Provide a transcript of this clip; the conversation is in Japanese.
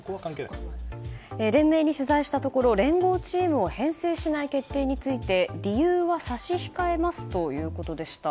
連盟に取材したところ連合チームを編成しない決定について理由は差し控えますということでした。